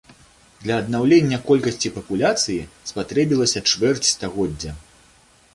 Для аднаўлення колькасці папуляцыі спатрэбілася чвэрць стагоддзя.